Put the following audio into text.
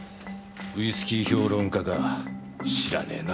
ウイスキー評論家か知らねえな。